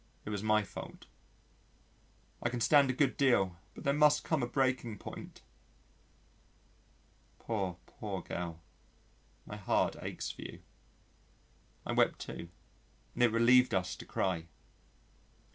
It was my fault. "I can stand a good deal but there must come a breaking point." Poor, poor girl, my heart aches for you. I wept too, and it relieved us to cry.